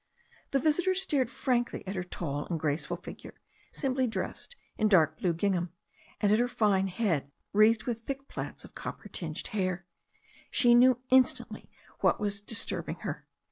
The visitor stared frankly at her tall and graceful figure, simply dressed in dark blue gingham, and at her fine head wreathed with thick plaits of copper tinged hair. She knew instantly what was disturbing her.